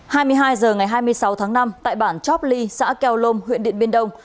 hai mươi hai h ngày hai mươi sáu tháng năm tại bản chopley xã kèo lôm huyện điện biên đông